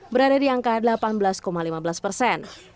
berada di angka delapan belas lima belas persen